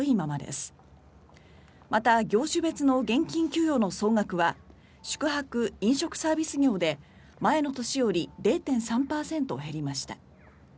また、業種別の現金給与の総額は宿泊・飲食サービス業で前の年より０．３％減りました。